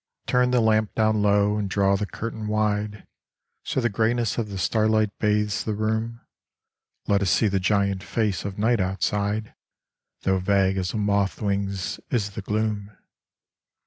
Turn the lamp down low and draw the curtain wide, So the greyness of the starlight bathes the room ; Let us see the giant face of night outside, Though vague as a moth's wing is the gloom.